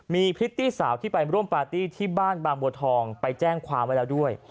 มีพริตตี้สาวที่ไปร่วมปาร์ตี้ที่บ้านบางบัวทองไปแจ้งความไว้แล้วด้วย